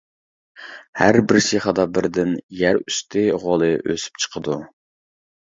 ھەربىر شېخىدا بىردىن يەر ئۈستى غولى ئۆسۈپ چىقىدۇ.